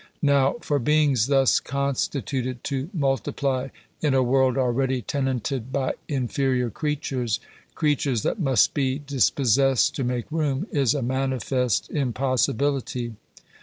Now, for beingB thus constituted to multiply in a world already tenanted by inferior creatures — creatures that must be dispos sessed to make room — is a manifest impossibility.